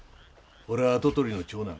俺は跡取りの長男。